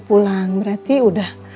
pulang berarti udah